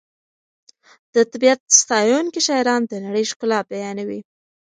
د طبیعت ستایونکي شاعران د نړۍ ښکلا بیانوي.